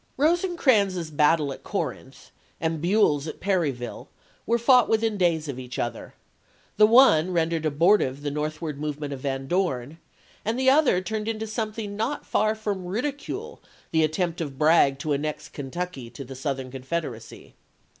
Rosecrans's battle at Corinth, and Buell's at 1862. Perryville, were fought within a few days of each other; the one rendered abortive the northward movement of Van Dorn, and the other turned into something not far from ridicule the attempt of Bragg to annex Kentucky to the Southern Con federacy.